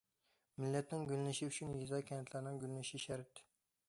مىللەتنىڭ گۈللىنىشى ئۈچۈن، يېزا- كەنتلەرنىڭ گۈللىنىشى شەرت.